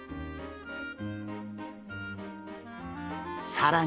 さらに。